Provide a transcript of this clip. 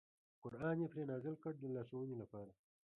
قران یې پرې نازل کړ د لارښوونې لپاره.